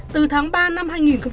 từ tháng ba năm hai nghìn một mươi ba